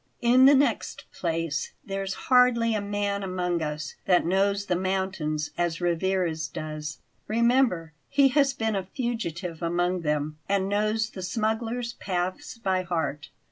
In the next place, there's hardly a man among us that knows the mountains as Rivarez does. Remember, he has been a fugitive among them, and knows the smugglers' paths by heart.